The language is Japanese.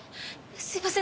すいません。